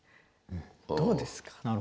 どうですか？